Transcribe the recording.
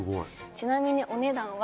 ちなみにお値段は。